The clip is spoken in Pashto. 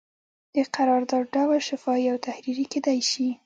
د قرارداد ډول شفاهي او تحریري کیدی شي.